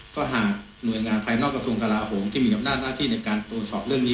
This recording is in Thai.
ก็หากหน่วยงานภายนอกกระทรวงกลาโหมที่มีอำนาจหน้าที่ในการตรวจสอบเรื่องนี้